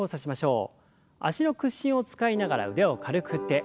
脚の屈伸を使いながら腕を軽く振って。